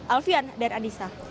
alfian dan andisa